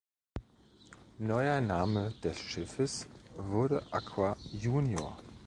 Neuer Name des Schiffes wurde "Aqua Junior".